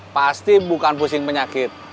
pasti bukan pusing penyakit